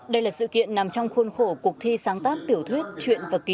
đây là sự kiện nằm trong khuôn khổ cuộc thi sáng tác tiểu thuyết chuyện và kỳ